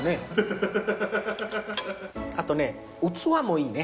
あとね器もいいね。